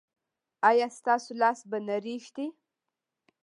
ایا ستاسو لاس به نه ریږدي؟